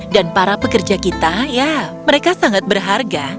dan para pekerja kita ya mereka sangat berharga